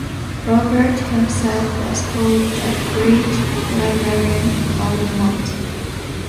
Robert himself was called "The Great Librarian of the Mont".